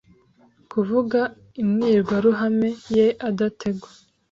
Kuvuga imwirwaruhame ye adategwa